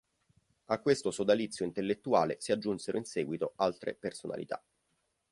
A questo sodalizio intellettuale si aggiunsero in seguito altre personalità.